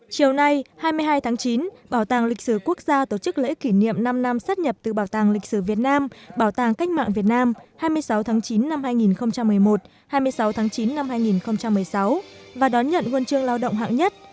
chiều nay hai mươi hai tháng chín bảo tàng lịch sử quốc gia tổ chức lễ kỷ niệm năm năm sát nhập từ bảo tàng lịch sử việt nam bảo tàng cách mạng việt nam hai mươi sáu tháng chín năm hai nghìn một mươi một hai mươi sáu tháng chín năm hai nghìn một mươi sáu và đón nhận huân chương lao động hạng nhất